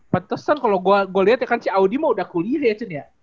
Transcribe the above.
pantesan kalau gue lihat ya kan si audi mah udah kuliah ya cen ya